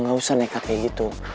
gak usah nekat kayak gitu